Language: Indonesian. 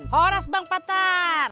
hora bang patar